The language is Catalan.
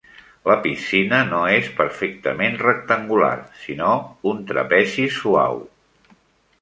La piscina no és perfectament rectangular, sinó un trapezi suau.